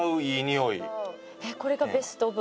これがベストオブ。